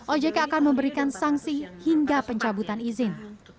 ojk akan memberikan sanksi hingga pencabutan izin